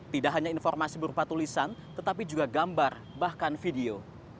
tidak hanya informasi berupa tulisan tetapi juga gambar bahkan video